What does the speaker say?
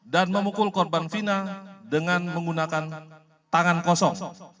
dan memukul korban fina dengan menggunakan tangan kosong